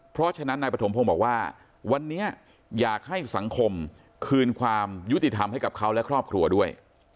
เพราะฉะนั้นนายปฐมพงศ์บอกว่าวันนี้อยากให้สังคมคืนความยุติธรรมให้กับเขาและครอบครัวด้วย